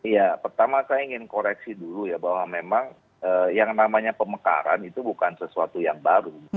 ya pertama saya ingin koreksi dulu ya bahwa memang yang namanya pemekaran itu bukan sesuatu yang baru